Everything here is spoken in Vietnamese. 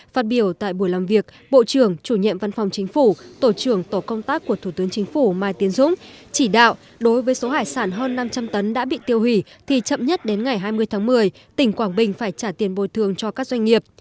phát biểu tại buổi làm việc bộ trưởng chủ nhiệm văn phòng chính phủ tổ trưởng tổ công tác của thủ tướng chính phủ mai tiến dũng chỉ đạo đối với số hải sản hơn năm trăm linh tấn đã bị tiêu hủy thì chậm nhất đến ngày hai mươi tháng một mươi tỉnh quảng bình phải trả tiền bồi thường cho các doanh nghiệp